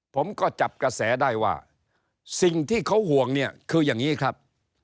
ผมก็จับกระแสได้ว่าสิ่งที่เขาห่วงเนี่ยคืออย่างนี้ครับ